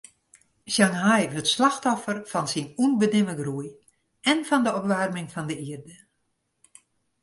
Shanghai wurdt slachtoffer fan syn ûnbedimme groei en fan de opwaarming fan de ierde.